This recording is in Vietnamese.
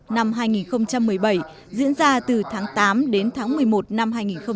năm hai nghìn một mươi bảy diễn ra từ tháng tám đến tháng một mươi một năm hai nghìn một mươi tám